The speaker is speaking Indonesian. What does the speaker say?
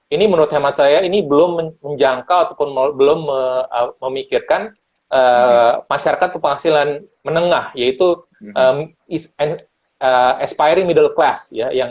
ini menurut hemat saya ini belum menjangkau ataupun belum memikirkan masyarakat berpenghasilan menengah yaitu aspiry middle class